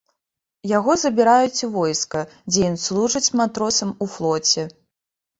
Яго забіраюць у войска, дзе ён служыць матросам у флоце.